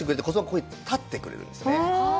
ここに立ってくれるんですね。